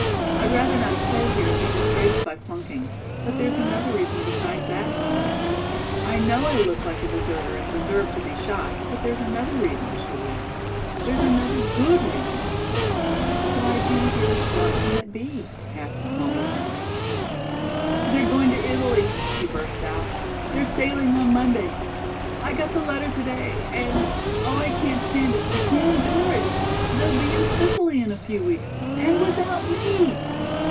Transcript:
"I'd rather not stay here and be disgraced by flunking, but there's another reason beside that, Molly. I know I look like a deserter and deserve to be shot, but there's another reason," she wailed; "there's another good reason." "Why, Judy, dearest, what can it be?" asked Molly gently. "They're going to Italy," she burst out. "They're sailing on Monday. I got the letter to day, and, oh, I can't stand it I can't endure it. They'll be in Sicily in a few weeks and without me!